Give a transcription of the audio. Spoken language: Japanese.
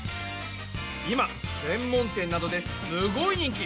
今専門店などですごい人気！